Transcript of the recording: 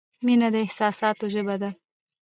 • مینه د احساساتو ژبه ده.